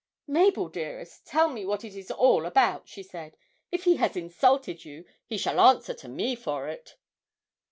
'Mabel, dearest, tell me what it is all about,' she said. 'If he has insulted you, he shall answer to me for it!'